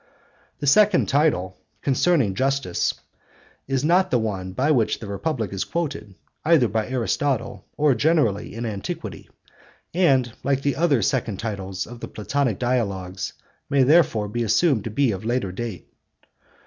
The second title, 'Concerning Justice,' is not the one by which the Republic is quoted, either by Aristotle or generally in antiquity, and, like the other second titles of the Platonic Dialogues, may therefore be assumed to be of later date.